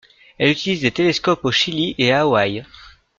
Elle utilise des télescopes au Chili et à Hawaï.